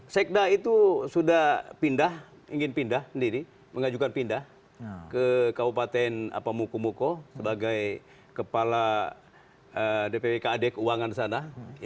sekda itu sudah pindah ingin pindah sendiri mengajukan pindah ke kabupaten mukomoko sebagai kepala dpwk adik uangan sana